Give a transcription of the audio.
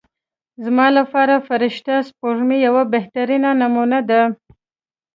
زما لپاره فرشته سپوږمۍ یوه بهترینه نمونه ده.